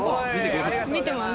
見てます。